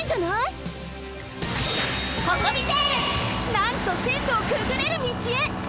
なんとせんろをくぐれる道へ！